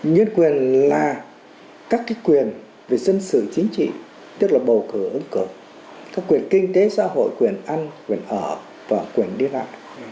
nhân quyền là các quyền về dân sự chính trị tức là bầu cử ứng cử các quyền kinh tế xã hội quyền ăn quyền ở và quyền đi lại